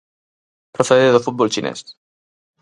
Procede do fútbol chinés.